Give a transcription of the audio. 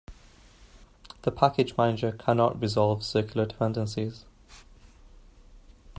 The package manager cannot resolve circular dependencies.